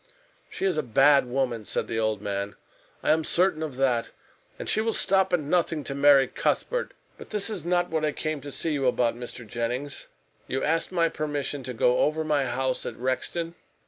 "She is a bad woman," said the old man. "I am certain of that. And she will stop at nothing to marry Cuthbert. But this is not what I came to see you about, Mr. Jennings. You asked my permission to go over my house at Rexton?"